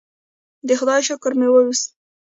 د خدای شکر مې وویست.